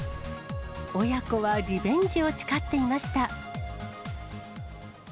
親子はリベンジを誓っていました。